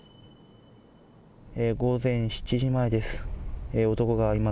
午前７時前です。